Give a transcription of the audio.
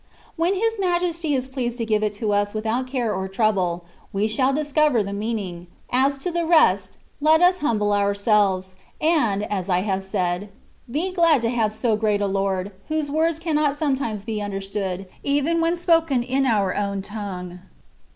When His Majesty is pleased to give it to us without care or trouble, we shall discover the meaning ; as to the rest, let us humble ourselves, and (as I have said) be glad to have so great a Lord, whose words cannot sometimes be under stood, even when spoken in our own tongue.